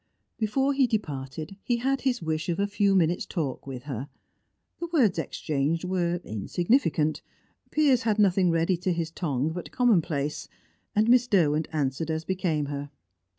Before he departed, he had his wish of a few minutes' talk with her. The words exchanged were insignificant. Piers had nothing ready to his tongue but commonplace, and Miss Derwent answered as became her.